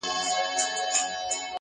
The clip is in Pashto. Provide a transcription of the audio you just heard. o چي مرگ سوى وو داسي مړی ئې نه وو کړى٫